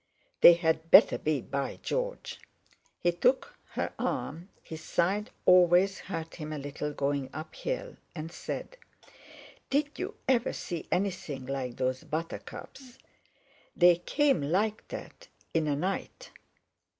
"They had better be, by George!" He took her arm—his side always hurt him a little going uphill—and said: "Did you ever see anything like those buttercups? They came like that in a night."